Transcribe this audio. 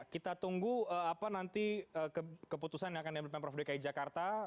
kita tunggu apa nanti keputusan yang akan diambil pemprov dki jakarta